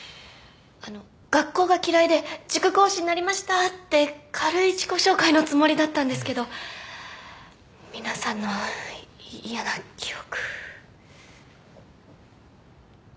あの学校が嫌いで塾講師になりましたって軽い自己紹介のつもりだったんですけど皆さんの嫌な記憶。